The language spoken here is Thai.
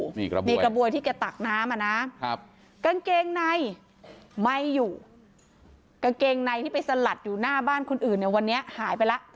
มีกระบวยที่แกตักน้ำอ่ะนะกางเกงในไม่อยู่กางเกงในที่ไปสลัดอยู่หน้าบ้านคนอื่นเนี่ยวันนี้หายไปแล้ว